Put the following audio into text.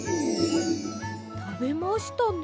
たべましたね。